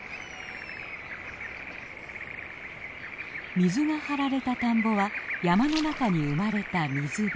水が張られた田んぼは山の中に生まれた水辺。